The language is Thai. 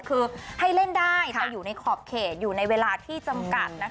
คือให้เล่นได้แต่อยู่ในขอบเขตอยู่ในเวลาที่จำกัด